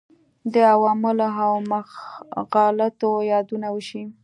د عواملو او مغالطو یادونه وشي.